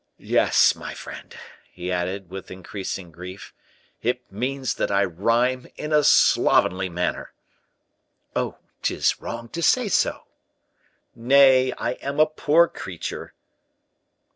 "Yes, my friend," he added, with increasing grief, "it seems that I rhyme in a slovenly manner." "Oh, 'tis wrong to say so." "Nay, I am a poor creature!"